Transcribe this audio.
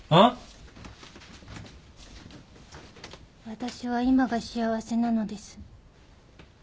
・私は今が幸せなのです。